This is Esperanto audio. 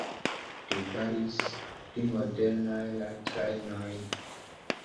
Li faris pli modernaj la trajnojn.